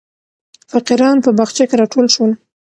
فقیران په باغچه کې راټول شول.